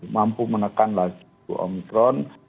mampu menekan lagi omicron